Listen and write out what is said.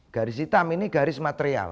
garis hitam ini garis material